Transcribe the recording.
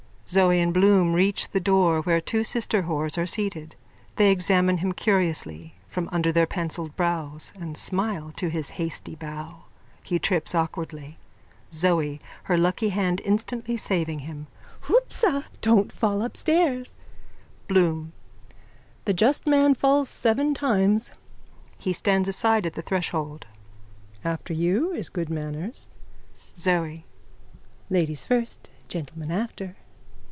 _(Zoe and Bloom reach the doorway where two sister whores are seated. They examine him curiously from under their pencilled brows and smile to his hasty bow. He trips awkwardly.)_ ZOE: (Her lucky hand instantly saving him.) Hoopsa! Don't fall upstairs. BLOOM: The just man falls seven times. (He stands aside at the threshold.) After you is good manners. ZOE: Ladies first, gentlemen after.